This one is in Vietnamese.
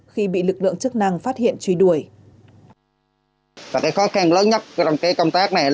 khi bị lực lượng chức năng phát hiện truy đuổi